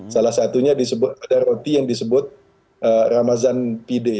salah satunya ada roti yang disebut ramadhan pide